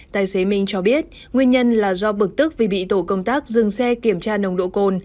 tài xế minh cho biết nguyên nhân là do bực tức vì bị tổ công tác dừng xe kiểm tra nồng độ cồn